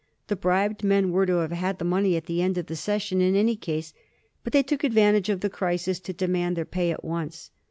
The bribed men were to have had the money at the end of the session in any case, but they took advantage of the crisis to demand their pay at once.